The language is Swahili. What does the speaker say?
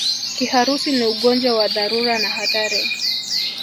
Kiharusi ni ugonjwa wa dharura na hatari